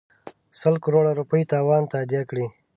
سل کروړه روپۍ تاوان تادیه کړي.